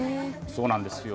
そうなんですよ。